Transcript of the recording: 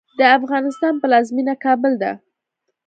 د افغانستان پلازمېنه کابل ده.